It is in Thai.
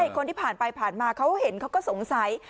คนที่ผ่านไปผ่านมาเขาเห็นเขาก็สงสัย